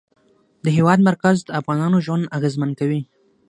د هېواد مرکز د افغانانو ژوند اغېزمن کوي.